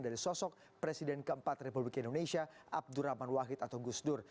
dari sosok presiden keempat republik indonesia abdurrahman wahid atau gusdur